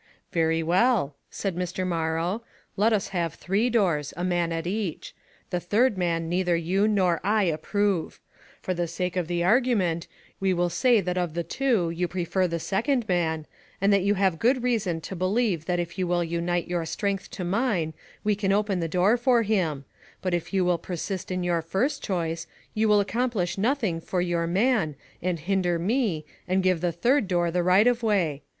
"Very well," said Mr. Morrow, "let us have three doors — a man at each. The third man neither you nor I approve. For 308 ONE COMMONPLACE DAY. the sake of the argument, we will say that of the two you prefer the second man, and that you have good reason to believe that if you will unite your strength to mine, we can open the door for him ; but if you will persist in your first choice, you will accom plish nothing for your man, and hinder me, and give the third door the right of way.